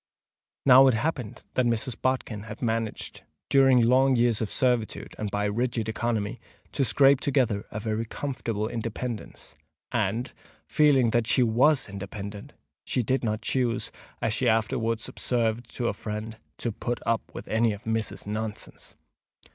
Now it happened that Mrs. Bodkin had managed, during long years of servitude and by rigid economy, to scrape together a very comfortable independence; and, feeling that she was independent, she did not choose, as she afterwards observed to a friend, "to put up with any of missus's nonsense."